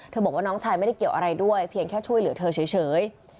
บอกว่าน้องชายไม่ได้เกี่ยวอะไรด้วยเพียงแค่ช่วยเหลือเธอเฉย